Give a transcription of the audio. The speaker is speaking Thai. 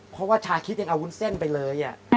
เพราะว่าชาคิดยังเอาวุ้นเส้นไปเลย